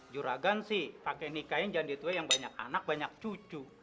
juragan sih pake nikahin jandi tua yang banyak anak banyak cucu